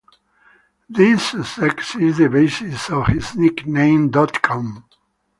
This success is the basis of his nickname Dot-com.